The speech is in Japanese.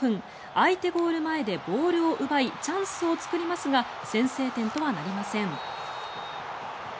相手ゴール前でボールを奪いチャンスを作りますが先制点とはなりません。